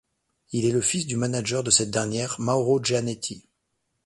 Il est le fils du manager de cette dernière, Mauro Gianetti.